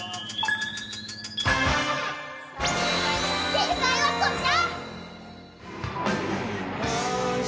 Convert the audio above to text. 正解はこちら。